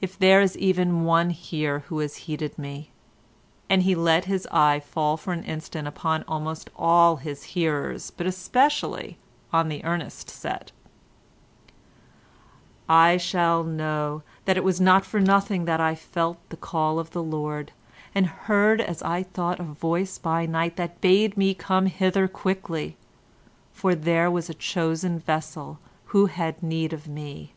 If there is even one here who has heeded me,"—and he let his eye fall for an instant upon almost all his hearers, but especially on the Ernest set—"I shall know that it was not for nothing that I felt the call of the Lord, and heard as I thought a voice by night that bade me come hither quickly, for there was a chosen vessel who had need of me."